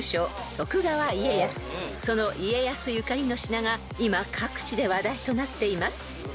［その家康ゆかりの品が今各地で話題となっています］